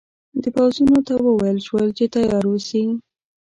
د پوځونو ته وویل شول چې تیار اوسي.